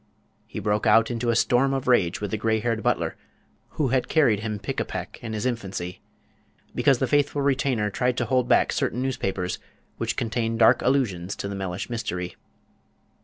He broke out into a storm of rage with the gray haired butler, who had carried him pickapack in his infancy, because the faithful retainer tried to hold back certain newspapers which contained dark allusions to the Mellish mystery.